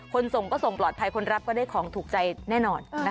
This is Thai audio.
ส่งก็ส่งปลอดภัยคนรับก็ได้ของถูกใจแน่นอน